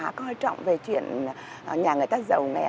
tôi không quá quan trọng về chuyện nhà người ta giàu mẹ